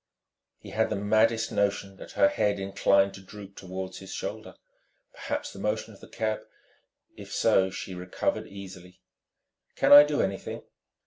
He had the maddest notion that her head inclined to droop toward his shoulder. Perhaps the motion of the cab.... If so, she recovered easily. "Can I do anything?"